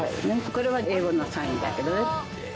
これは英語のサインだけどね。